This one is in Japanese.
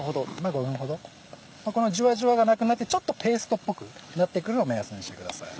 ５分ほどこのジュワジュワがなくなってちょっとペーストっぽくなってくるのを目安にしてください。